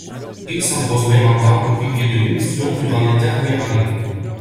Il s'impose même en tant que pilier de l'émission durant les dernières années.